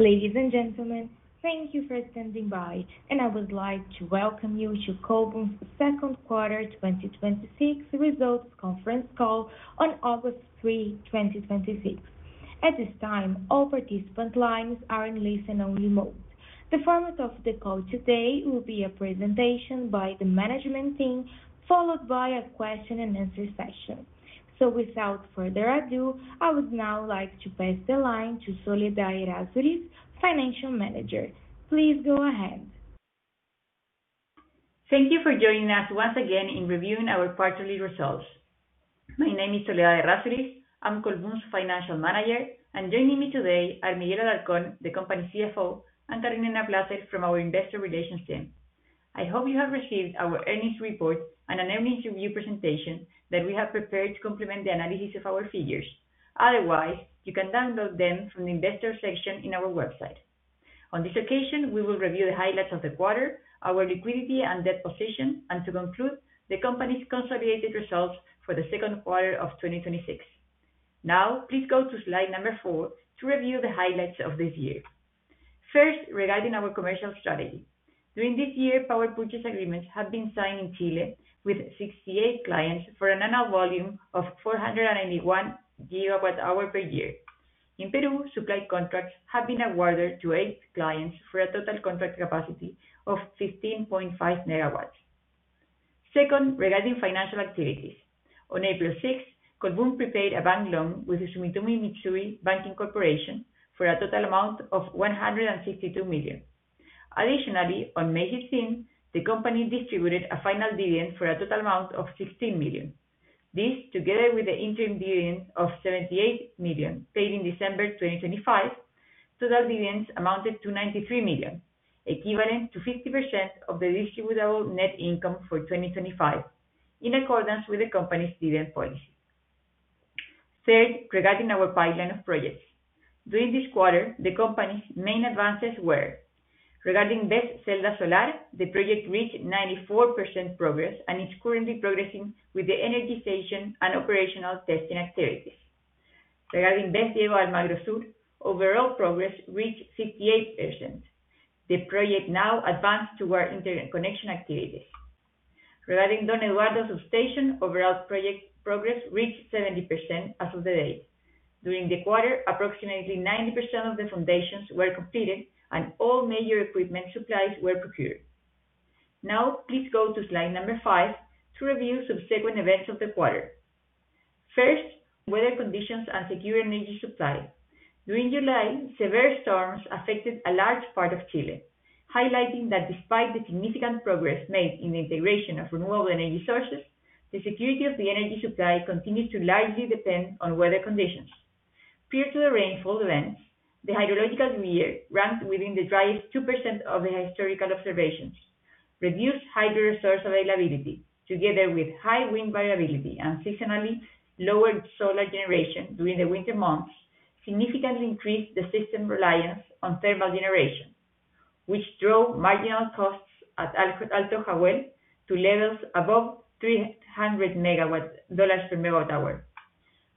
Ladies and gentlemen, thank you for standing by, and I would like to welcome you to Colbún's second quarter 2026 results conference call on August 3, 2026. At this time, all participant lines are in listen-only mode. The format of the call today will be a presentation by the management team, followed by a question-and-answer session. Without further ado, I would now like to pass the line to Soledad Errázuriz, Financial Manager. Please go ahead. Thank you for joining us once again in reviewing our quarterly results. My name is Soledad Errázuriz. I'm Colbún's Financial Manager, and joining me today are Miguel Alarcón, the company's CFO, and Carolina Plasser from our Investor Relations team. I hope you have received our earnings report and an earnings review presentation that we have prepared to complement the analysis of our figures. Otherwise, you can download them from the investor section on our website. On this occasion, we will review the highlights of the quarter, our liquidity and debt position, and to conclude, the company's consolidated results for the second quarter of 2026. Now, please go to slide number four to review the highlights of this year. First, regarding our commercial strategy. During this year, power purchase agreements have been signed in Chile with 68 clients for an annual volume of 491 GWh/yr. In Peru, supply contracts have been awarded to eight clients for a total contract capacity of 15.5 MW. Second, regarding financial activities. On April 6th, Colbún prepared a bank loan with the Sumitomo Mitsui Banking Corporation for a total amount of $162 million. Additionally, on May 16th, the company distributed a final dividend for a total amount of $16 million. This, together with the interim dividend of $78 million paid in December 2025, total dividends amounted to $93 million, equivalent to 50% of the distributable net income for 2025, in accordance with the company's dividend policy. Third, regarding our pipeline of projects. During this quarter, the company's main advances were: regarding BESS Celda Solar, the project reached 94% progress and is currently progressing with the energization and operational testing activities. Regarding BESS Diego de Almagro Sur, overall progress reached 68%. The project now advances toward interconnection activities. Regarding Don Eduardo Substation, overall project progress reached 70% as of the date. During the quarter, approximately 90% of the foundations were completed, and all major equipment supplies were procured. Now, please go to slide number five to review subsequent events of the quarter. First, weather conditions and secure energy supply. During July, severe storms affected a large part of Chile, highlighting that despite the significant progress made in the integration of renewable energy sources, the security of the energy supply continues to largely depend on weather conditions. Prior to the rainfall events, the hydrological year ranked within the driest 2% of the historical observations. Reduced hydro resource availability, together with high wind variability and seasonally lower solar generation during the winter months, significantly increased the system reliance on thermal generation, which drove marginal costs at Alto Jahuel to levels above $300/MWh.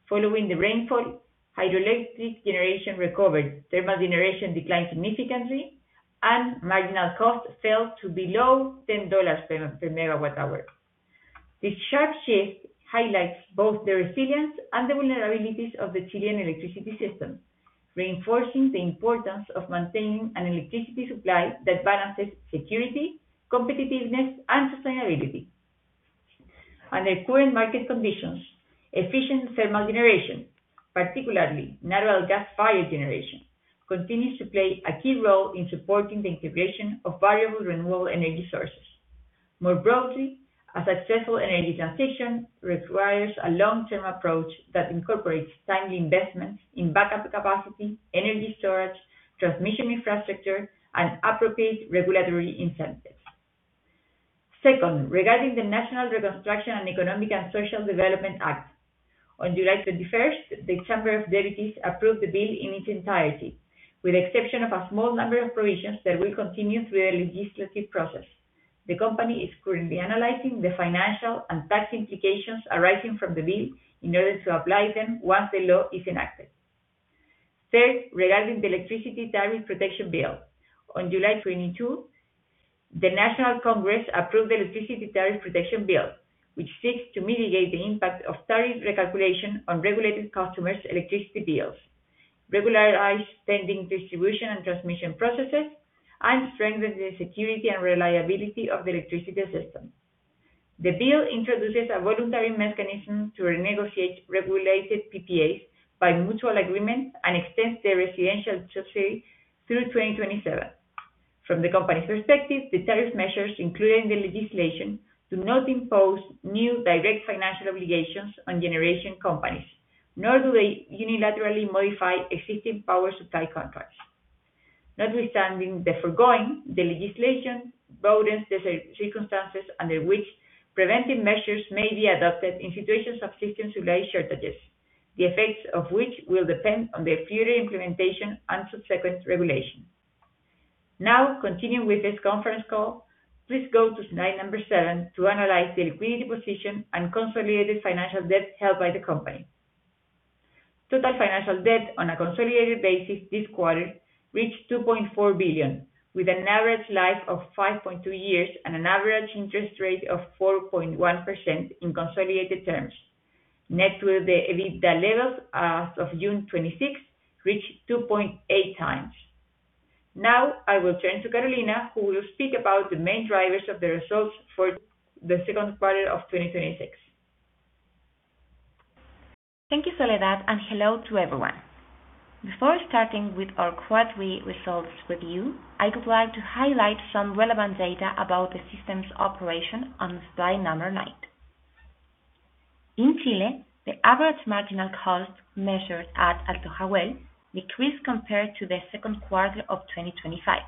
Following the rainfall, hydroelectric generation recovered, thermal generation declined significantly, and marginal cost fell to below $10/MWh. This sharp shift highlights both the resilience and the vulnerabilities of the Chilean electricity system, reinforcing the importance of maintaining an electricity supply that balances security, competitiveness, and sustainability. Under current market conditions, efficient thermal generation, particularly natural gas-fired generation, continues to play a key role in supporting the integration of variable renewable energy sources. More broadly, a successful energy transition requires a long-term approach that incorporates timely investments in backup capacity, energy storage, transmission infrastructure, and appropriate regulatory incentives. Second, regarding the National Reconstruction and Economic and Social Development Act. On July 21st, the Chamber of Deputies approved the bill in its entirety, with the exception of a small number of provisions that will continue through the legislative process. The company is currently analyzing the financial and tax implications arising from the bill in order to apply them once the law is enacted. Third, regarding the electricity tariff-protection bill. On July 22, the National Congress approved the electricity tariff-protection bill, which seeks to mitigate the impact of tariff recalculation on regulated customers' electricity bills, regularize pending distribution and transmission processes, and strengthen the security and reliability of the electricity system. The bill introduces a voluntary mechanism to renegotiate regulated PPAs by mutual agreement and extends the residential subsidy through 2027. From the company's perspective, the tariff measures included in the legislation do not impose new direct financial obligations on generation companies, nor do they unilaterally modify existing power supply contracts. Notwithstanding the foregoing, the legislation broadens the circumstances under which preventive measures may be adopted in situations of system supply shortages, the effects of which will depend on their future implementation and subsequent regulation. Now, continuing with this conference call, please go to slide number seven to analyze the liquidity position and consolidated financial debt held by the company. Total financial debt on a consolidated basis this quarter reached $2.4 billion, with an average life of 5.2 years and an average interest rate of 4.1% in consolidated terms. Net debt-to-EBITDA levels as of June 2026 reached 2.8x. Now, I will turn to Carolina, who will speak about the main drivers of the results for the second quarter of 2026. Thank you, Soledad, and hello to everyone. Before starting with our quarterly results review, I would like to highlight some relevant data about the system's operation on slide number nine. In Chile, the average marginal cost measured at Alto Jahuel decreased compared to the second quarter of 2025,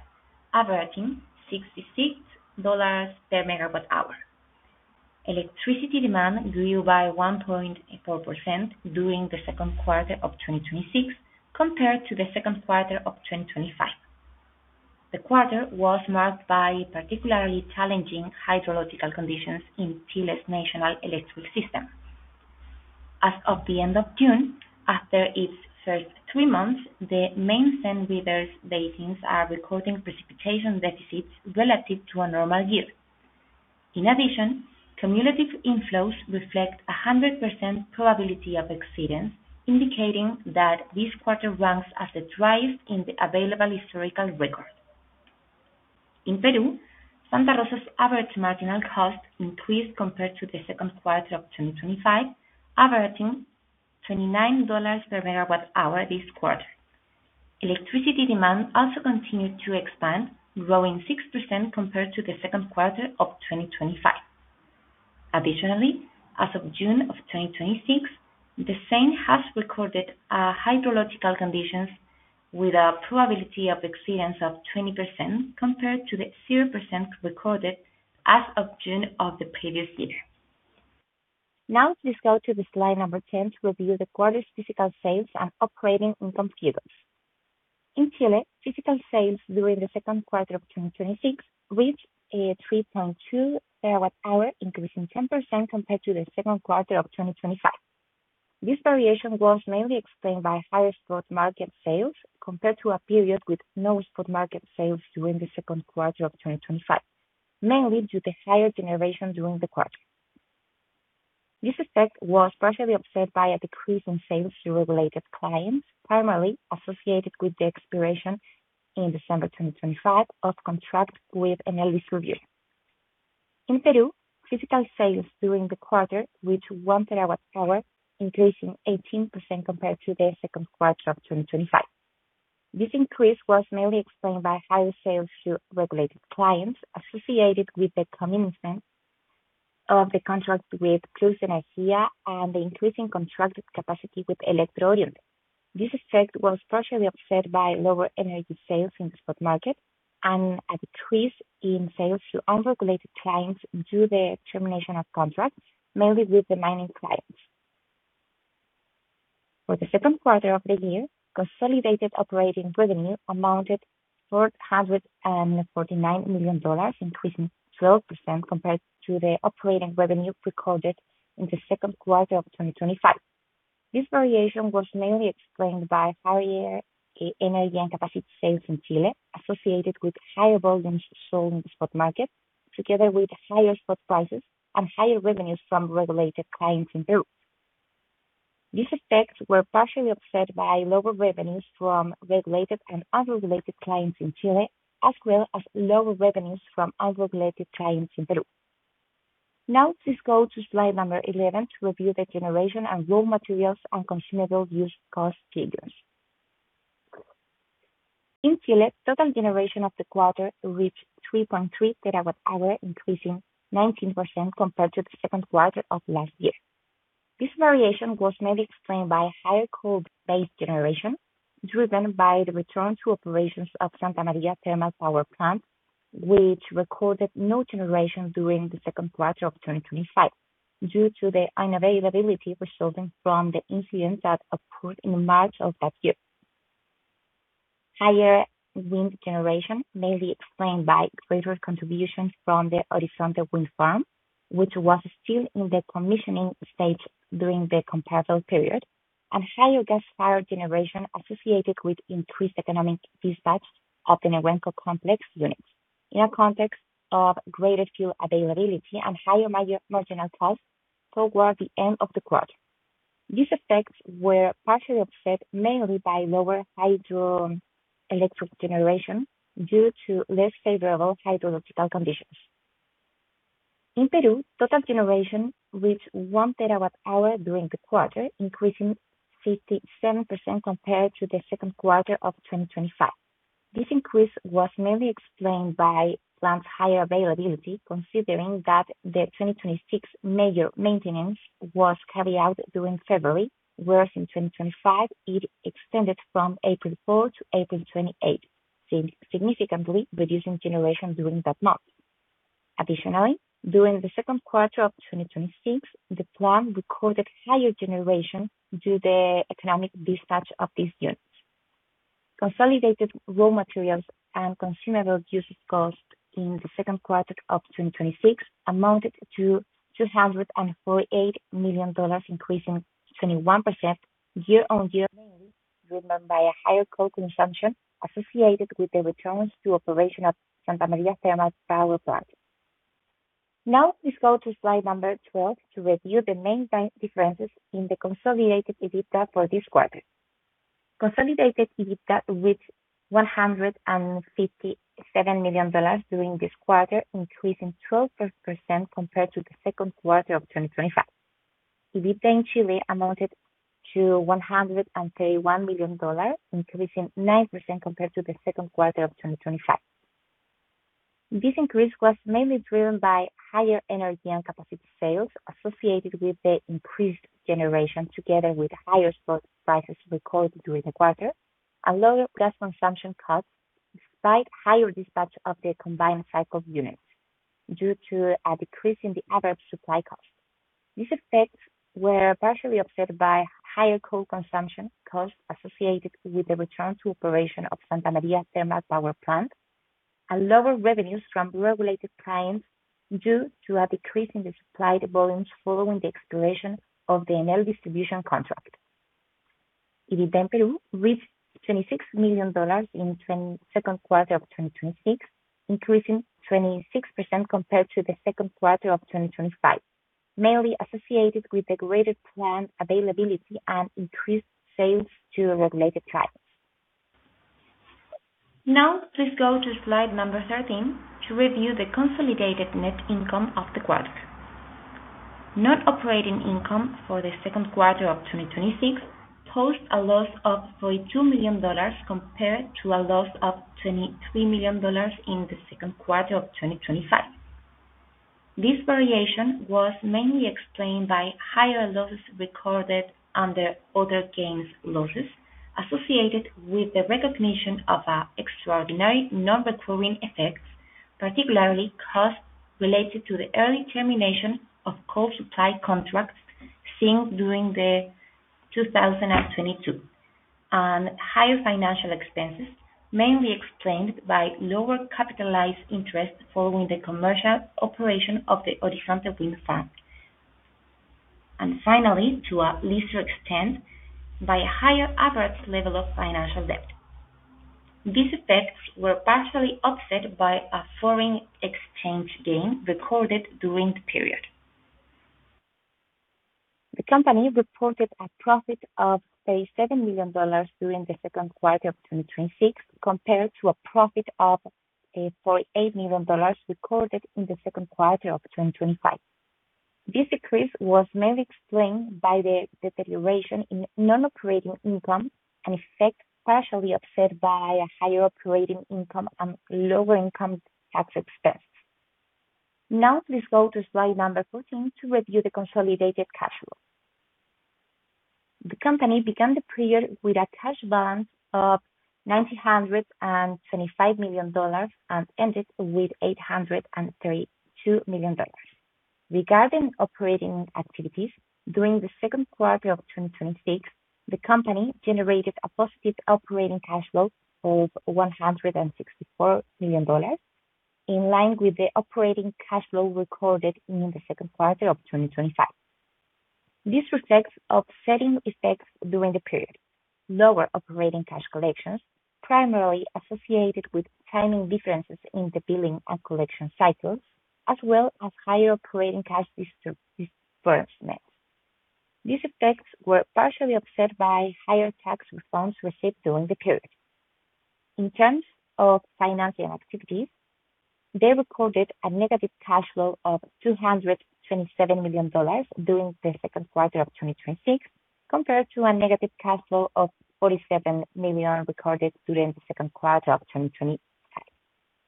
averaging $66/MWh. Electricity demand grew by 1.4% during the second quarter of 2026 compared to the second quarter of 2025. The quarter was marked by particularly challenging hydrological conditions in Chile's national electric system. As of the end of June, after its first three months, the main central basins are recording precipitation deficits relative to a normal year. In addition, cumulative inflows reflect 100% probability of exceedance, indicating that this quarter ranks as the driest in the available historical record. In Peru, Santa Rosa's average marginal cost increased compared to the second quarter of 2025, averaging $29/MWh this quarter. Electricity demand also continued to expand, growing 6% compared to the second quarter of 2025. Additionally, as of June of 2026, the same has recorded hydrological conditions with a probability of exceedance of 20% compared to the 0% recorded as of June of the previous year. Now, please go to slide number 10 to review the quarter's physical sales and operating income figures. In Chile, physical sales during the second quarter of 2026 reached 3.2 TWh, increasing 10% compared to the second quarter of 2025. This variation was mainly explained by higher spot market sales compared to a period with no spot market sales during the second quarter of 2025, mainly due to higher generation during the quarter. This effect was partially offset by a decrease in sales to regulated clients, primarily associated with the expiration in December 2025 of contract with Enel Distribución. In Peru, physical sales during the quarter, which 1 TWh, increasing 18% compared to the second quarter of 2025. This increase was mainly explained by higher sales to regulated clients associated with the commencement of the contract with Pluz Energía and the increase in contracted capacity with Electro Oriente. This effect was partially offset by lower energy sales in the spot market and a decrease in sales to unregulated clients due to the termination of contracts, mainly with the mining clients. For the second quarter of the year, consolidated operating revenue amounted $449 million, increasing 12% compared to the operating revenue recorded in the second quarter of 2025. This variation was mainly explained by higher energy and capacity sales in Chile, associated with higher volumes sold in the spot market, together with higher spot prices and higher revenues from regulated clients in Peru. These effects were partially offset by lower revenues from regulated and unregulated clients in Chile, as well as lower revenues from unregulated clients in Peru. Now, please go to slide number 11 to review the generation and raw materials and consumable use cost figures. In Chile, total generation of the quarter reached 3.3 TWh, increasing 19% compared to the second quarter of last year. This variation was mainly explained by higher coal-based generation, driven by the return to operations of Santa Maria Thermal Power Plant, which recorded no generation during the second quarter of 2025 due to the unavailability resulting from the incident that occurred in March of that year. Higher wind generation, mainly explained by greater contributions from the Horizonte wind farm, which was still in the commissioning stage during the comparable period, and higher gas-fired generation associated with increased economic dispatch of the Nehuenco Complex units in a context of greater fuel availability and higher marginal cost toward the end of the quarter. These effects were partially offset mainly by lower hydroelectric generation due to less favorable hydrological conditions. In Peru, total generation reached 1 TWh during the quarter, increasing 57% compared to the second quarter of 2025. This increase was mainly explained by plants' higher availability, considering that the 2026 major maintenance was carried out during February, whereas in 2025, it extended from April 4 to April 28, significantly reducing generation during that month. Additionally, during the second quarter of 2026, the plant recorded higher generation due to the economic dispatch of these units. Consolidated raw materials and consumable usage costs in the second quarter of 2026 amounted to $248 million, increasing 21% year-on-year, mainly driven by a higher coal consumption associated with the returns to operation of Santa Maria Thermal Power Plant. Now, please go to slide number 12 to review the main differences in the consolidated EBITDA for this quarter. Consolidated EBITDA reached $157 million during this quarter, increasing 12% compared to the second quarter of 2025. EBITDA in Chile amounted to $131 million, increasing 9% compared to the second quarter of 2025. This increase was mainly driven by higher energy and capacity sales associated with the increased generation, together with higher spot prices recorded during the quarter, and lower gas consumption costs, despite higher dispatch of the combined cycle units due to a decrease in the average supply cost. These effects were partially offset by higher coal consumption costs associated with the return to operation of Santa Maria Thermal Power Plant, and lower revenues from regulated clients due to a decrease in the supply volumes following the expiration of the Enel Distribución contract. EBITDA in Peru reached $26 million in the second quarter of 2026, increasing 26% compared to the second quarter of 2025, mainly associated with the greater plant availability and increased sales to regulated clients. Now, please go to slide number 13 to review the consolidated net income of the quarter. Non-operating income for the second quarter of 2026 posts a loss of $42 million compared to a loss of $23 million in the second quarter of 2025. This variation was mainly explained by higher losses recorded under other gains losses associated with the recognition of extraordinary non-recurring effects, particularly costs related to the early termination of coal supply contracts signed during 2022, and higher financial expenses, mainly explained by lower capitalized interest following the commercial operation of the Horizonte wind farm. Finally, to a lesser extent, by a higher average level of financial debt. These effects were partially offset by a foreign exchange gain recorded during the period. The company reported a profit of $37 million during the second quarter of 2026, compared to a profit of $48 million recorded in the second quarter of 2025. This decrease was mainly explained by the deterioration in non-operating income, an effect partially offset by a higher operating income and lower income tax expense. Now, please go to slide number 14 to review the consolidated cash flow. The company began the period with a cash balance of $925 million and ended with $832 million. Regarding operating activities, during the second quarter of 2026, the company generated a positive operating cash flow of $164 million, in line with the operating cash flow recorded in the second quarter of 2025. This reflects offsetting effects during the period, lower operating cash collections, primarily associated with timing differences in the billing and collection cycles, as well as higher operating cash disbursements. These effects were partially offset by higher tax refunds received during the period. In terms of financing activities, they recorded a negative cash flow of $227 million during the second quarter of 2026, compared to a negative cash flow of $47 million recorded during the second quarter of 2025.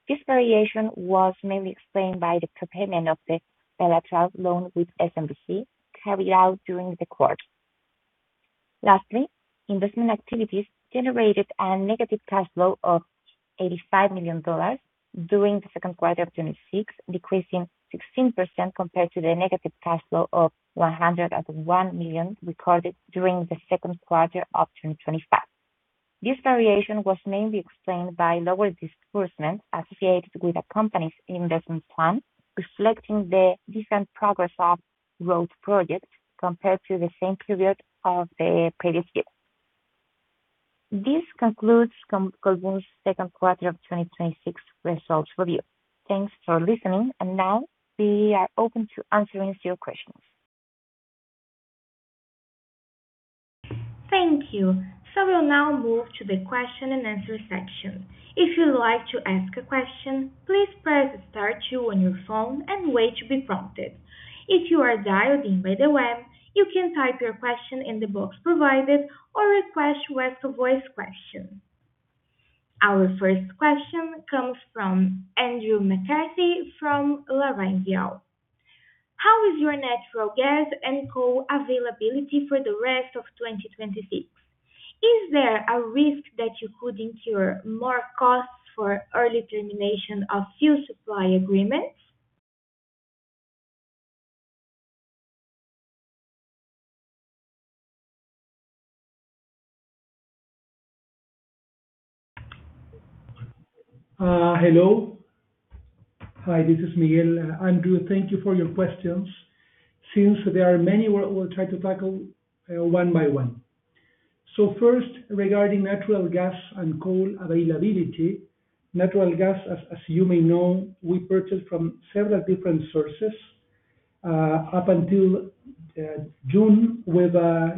This variation was mainly explained by the prepayment of the bilateral loan with SMBC carried out during the quarter. Lastly, investment activities generated a negative cash flow of $85 million during the second quarter of 2026, decreasing 16% compared to the negative cash flow of $101 million recorded during the second quarter of 2025. This variation was mainly explained by lower disbursements associated with the company's investment plan, reflecting the different progress of road projects compared to the same period of the previous year. This concludes Colbún's second quarter of 2026 results review. Thanks for listening. Now, we are open to answering your questions. Thank you. We'll now move to the question-and-answer section. If you'd like to ask a question, please press star two on your phone and wait to be prompted. If you are dialed in by the web, you can type your question in the box provided or request to ask a voice question. Our first question comes from Andrew McCarthy from LarrainVial. How is your natural gas and coal availability for the rest of 2026? Is there a risk that you could incur more costs for early termination of fuel supply agreements? Hello. Hi, this is Miguel. Andrew, thank you for your questions. Since there are many, we'll try to tackle one by one. First, regarding natural gas and coal availability, natural gas, as you may know, we purchase from several different sources. Up until June, we've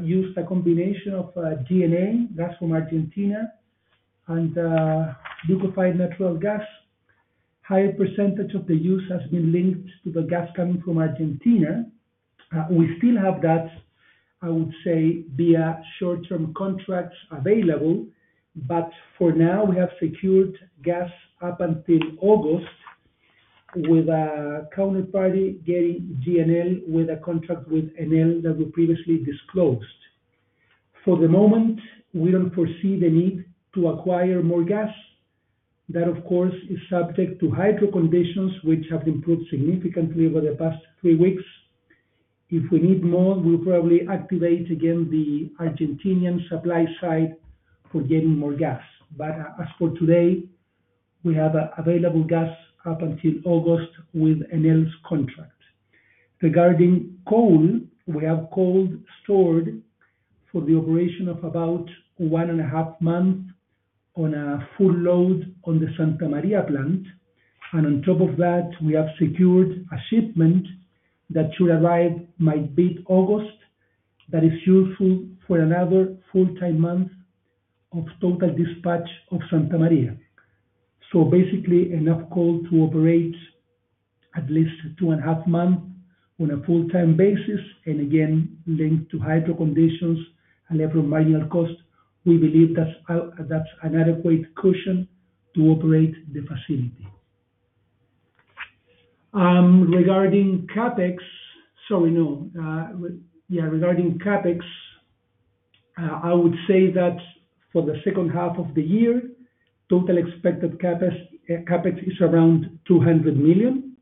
used a combination of GNL, gas from Argentina, and liquefied natural gas. Higher percentage of the use has been linked to the gas coming from Argentina. We still have that, I would say, via short-term contracts available, but for now, we have secured gas up until August with a counterparty getting GNL with a contract with Enel that we previously disclosed. For the moment, we don't foresee the need to acquire more gas. That, of course, is subject to hydro conditions, which have improved significantly over the past three weeks. If we need more, we'll probably activate again the Argentinian supply side for getting more gas. But as for today, we have available gas up until August with Enel's contract. Regarding coal, we have coal stored for the operation of about one and a half month on a full load on the Santa Maria plant. On top of that, we have secured a shipment that should arrive mid-August, that is useful for another full-time month of total dispatch of Santa Maria. So, basically, enough coal to operate at least two and a half months on a full-time basis, and again, linked to hydro conditions and marginal cost. We believe that's an adequate cushion to operate the facility. Regarding CapEx, I would say that for the second half of the year, total expected CapEx is around $200 million.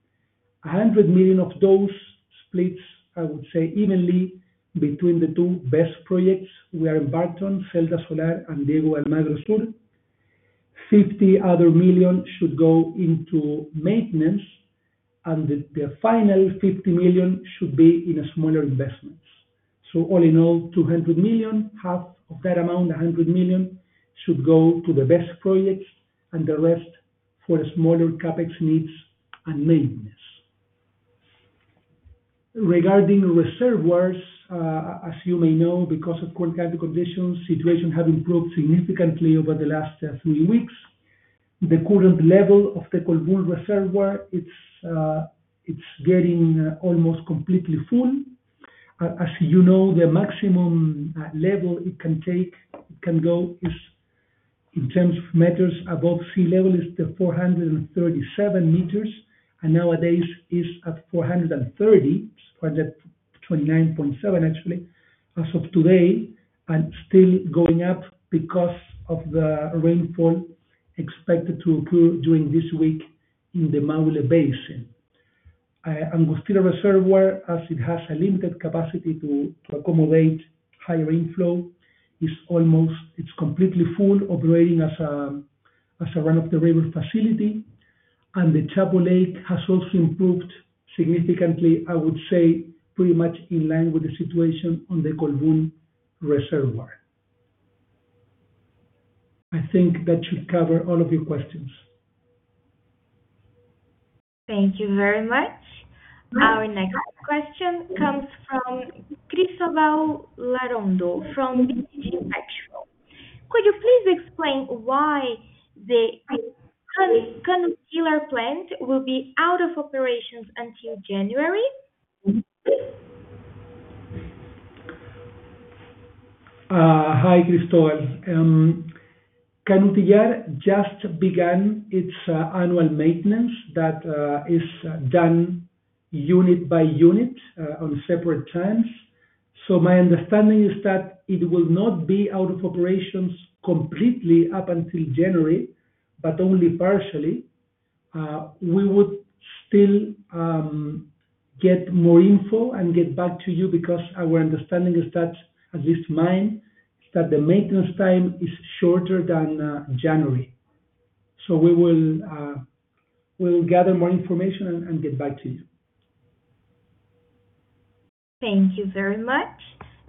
$100 million of those splits, I would say evenly between the two BESS projects we are embarked on, Celda Solar and Diego de Almagro Sur. $50 other million should go into maintenance, and the final $50 million should be in smaller investments. All in all, $200 million, half of that amount, $100 million, should go to the BESS projects, and the rest for the smaller CapEx needs and maintenance. Regarding reservoirs, as you may know, because of cold weather conditions, situation have improved significantly over the last three weeks. The current level of the Colbún reservoir, it's getting almost completely full. As you know, the maximum level it can go is, in terms of meters above sea level, is the 437 m, and nowadays is at 430 m, 429.7 m actually, as of today, and still going up because of the rainfall expected to occur during this week in the Maule Basin. Angostura Reservoir, as it has a limited capacity to accommodate high rain flow, it's completely full, operating as a run-of-the-river facility. The Chapo Lake has also improved significantly, I would say, pretty much in line with the situation on the Colbún reservoir. I think that should cover all of your questions. Thank you very much. Our next question comes from Cristóbal Larrondo from BTG Pactual. Could you please explain why the Canutillar plant will be out of operations until January? Hi, Cristóbal. Canutillar just began its annual maintenance that is done unit by unit on separate times. My understanding is that it will not be out of operations completely up until January, but only partially. We would still get more info and get back to you because our understanding is that, at least mine, is that the maintenance time is shorter than January. So, we will gather more information and get back to you. Thank you very much.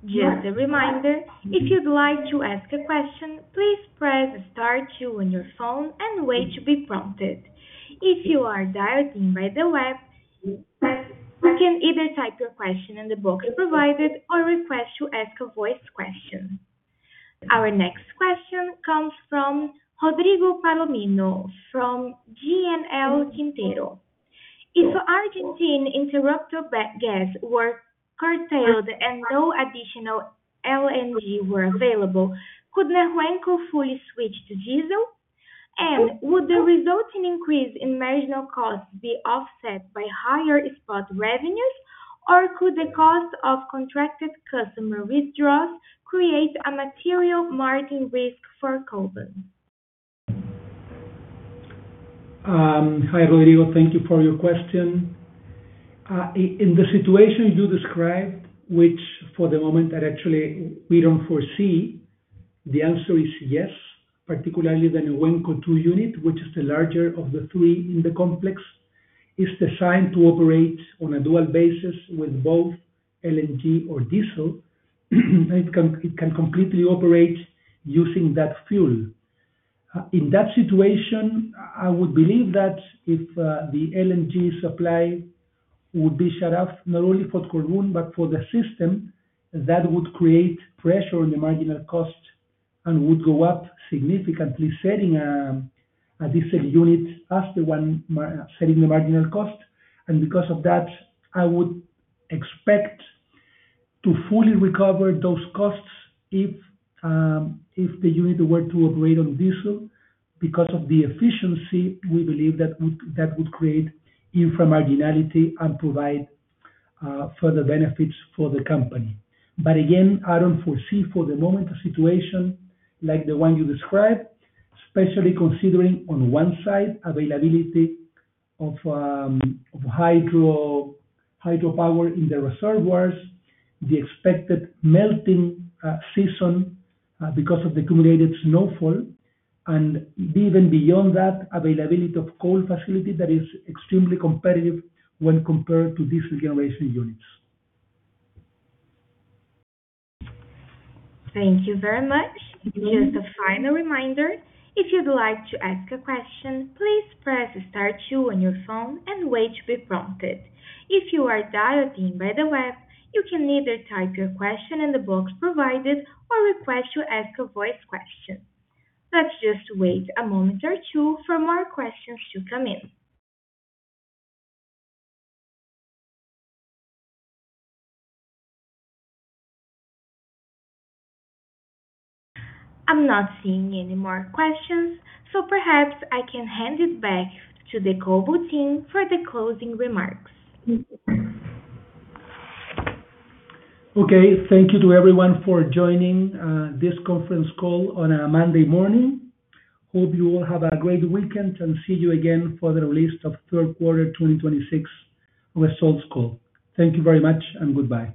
Just a reminder, if you'd like to ask a question, please press star two on your phone and wait to be prompted. If you are dialed in by the web, you can either type your question in the box provided or request to ask a voice question. Our next question comes from Rodrigo Palomino from GNL Quintero. If Argentine interruptible gas were curtailed and no additional LNG were available, could Nehuenco fully switch to diesel? Would the resulting increase in marginal costs be offset by higher spot revenues, or could the cost of contracted customer withdrawals create a material margin risk for Colbún? Hi, Rodrigo. Thank you for your question. In the situation you described which for the moment, actually, we don't foresee, the answer is yes, particularly the Nehuenco II unit, which is the larger of the three in the complex, is designed to operate on a dual basis with both LNG or diesel. It can completely operate using that fuel. In that situation, I would believe that if the LNG supply would be shut off, not only for Colbún but for the system, that would create pressure on the marginal cost and would go up significantly, setting a diesel unit as the one setting the marginal cost. Because of that, I would expect to fully recover those costs if the unit were to operate on diesel. Because of the efficiency, we believe that would create infra-marginality and provide further benefits for the company. But again, I don't foresee for the moment, a situation like the one you described, especially considering on one side, availability of hydropower in the reservoirs, the expected melting season because of the accumulated snowfall, and even beyond that, availability of coal facility that is extremely competitive when compared to diesel generation units. Thank you very much. Just a final reminder, if you'd like to ask a question, please press star two on your phone and wait to be prompted. If you are dialing in by the web, you can either type your question in the box provided or request to ask a voice question. Let's just wait a moment or two for more questions to come in. I'm not seeing any more questions, so perhaps I can hand it back to the Colbún team for the closing remarks. Okay. Thank you to everyone for joining this conference call on a Monday morning. Hope you all have a great weekend and see you again for the release of third quarter 2026 results call. Thank you very much, and goodbye.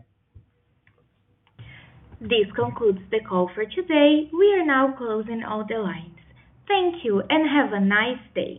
This concludes the call for today. We are now closing all the lines. Thank you and have a nice day.